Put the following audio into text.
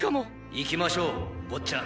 行きましょう坊ちゃん！